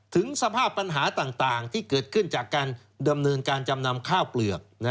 ถึงสภาพปัญหาต่างที่เกิดขึ้นจากการดำเนินการจำนำข้าวเปลือก